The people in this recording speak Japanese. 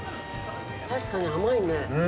確かに甘いね。